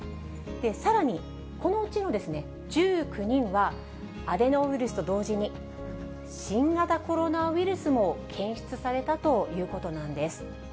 さらに、このうちの１９人は、アデノウイルスと同時に、新型コロナウイルスも検出されたということなんです。